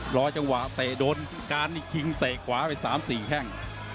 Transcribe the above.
ร๊อยจังหวาเตะด้น